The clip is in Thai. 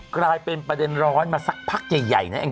กลายเป็นประเด็นร้อนมาสักพักใหญ่นะเอง